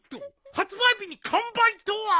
発売日に完売とは。